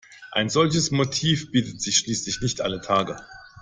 Ein solches Motiv bietet sich schließlich nicht alle Tage.